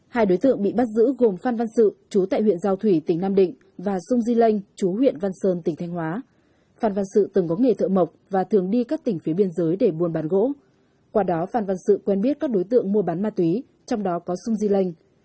hai đối tượng bị bắt giữ gồm phan văn sự chú tại huyện giao thủy tỉnh nam định và dung di lanh chú huyện văn sơn tỉnh thanh hóa phan văn sự từng có nghề thợ mộc và thường đi các tỉnh phía biên giới để buôn bán gỗ qua đó phan văn sự quen biết các đối tượng mua bán ma túy trong đó có sung di lanh